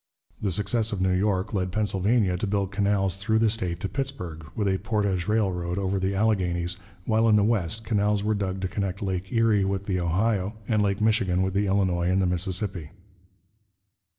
The success of New York led Pennsylvania to build canals through the state to Pittsburg, with a portage railroad over the Alleghanies, while in the west canals were dug to connect Lake Erie with the Ohio, and Lake Michigan with the Illinois and the Mississippi.